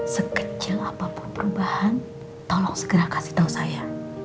sekecil apapun perubahan tolong segera kasih tahu saya